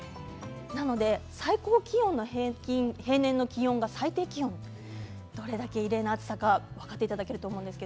なので、最高気温の平年の気温が最低気温どれだけ異例な暑さか分かるかと思います。